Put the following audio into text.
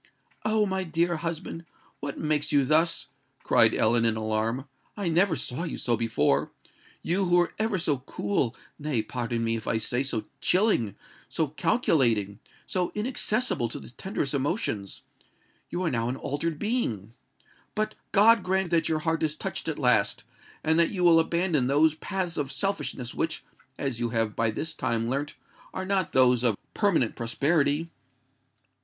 "Oh! my dear husband, what makes you thus?" cried Ellen, in alarm: "I never saw you so before. You who were ever so cool—nay, pardon me, if I say so chilling,—so calculating—so inaccessible to the tenderest emotions,—you are now an altered being! But God grant that your heart is touched at last, and that you will abandon those paths of selfishness which, as you have by this time learnt, are not those of permanent prosperity!